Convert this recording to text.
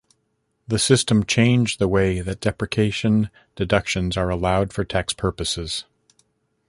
The system changed the way that depreciation deductions are allowed for tax purposes.